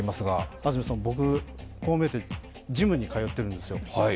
安住さん、僕、こう見えてジムに通っているんですよ。